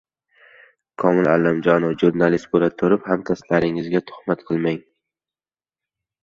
Komil Allamjonov: "Jurnalist bo‘la turib, hamkasblaringizga tuhmat qilmang"